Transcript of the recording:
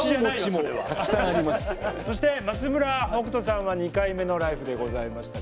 そして松村北斗さんは２回目の「ＬＩＦＥ！」でございましたが。